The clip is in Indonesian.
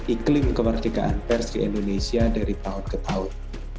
iklim kemerdekaan pers di indonesia dari tahun ke tahun